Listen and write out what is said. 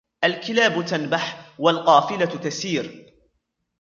الكلاب تنبح ، والقافلة تسير.